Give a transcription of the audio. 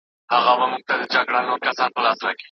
مرثیې چي یې لیکلې لټول چي یې قبرونه